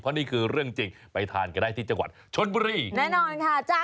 นี่คือเรื่องจริงไปทานกันได้ที่จังหวัดชนบุรีแน่นอนค่ะจ้ะ